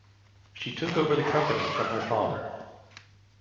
She took over the company from her father.